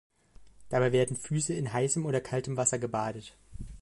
Dabei werden die Füße in heißem oder kaltem Wasser gebadet.